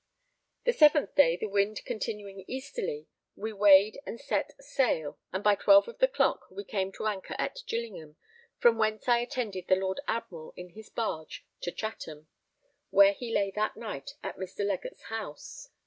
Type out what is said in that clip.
The 7th day, the wind continuing easterly, we weighed and set sail, and by 12 of the clock we came to anchor at Gillingham, from whence I attended the Lord Admiral in his barge to Chatham, where he lay that night at Mr. Legatt's house.